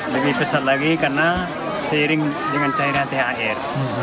lebih besar lagi karena seiring dengan cairan thr